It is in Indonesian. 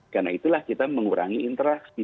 karena itulah kita mengurangi interaksi